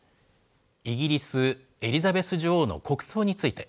イギリス、エリザベス女王の国葬について。